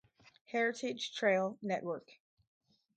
Heritage Trail Network.